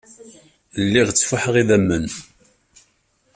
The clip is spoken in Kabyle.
Lliɣ ttfuḥeɣ idammen.